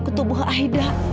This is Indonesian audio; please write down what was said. ke tubuh aida